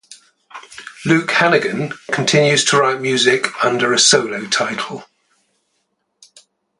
Luke Hannigan continues to write music under a solo title.